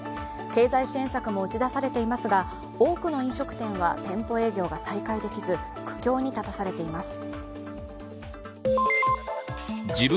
経済支援策も打ち出されていますが多くの飲食店は店舗営業が再開できず、苦境に立たされています。